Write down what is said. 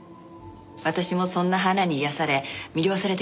私もそんな花に癒やされ魅了されてきました。